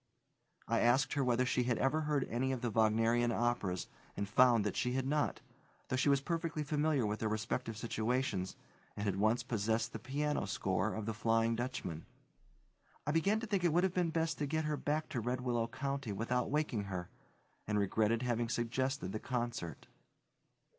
I asked her whether she had ever heard any of the Wagnerian operas and found that she had not, though she was perfectly familiar with their respective situations, and had once possessed the piano score of The Flying Dutchman. I began to think it would have been best to get her back to Red Willow County without waking her, and regretted having suggested the concert.